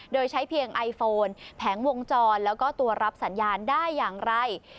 โดยใช้เพียงไอโฟนแผงวงจรแล้วก็ตัวรับสัญญาณได้อย่างไร